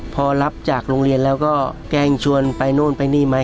พอรับจากโรงเรียนแล้วก็แกล้งชวนไปนู่นไปนี่ไหม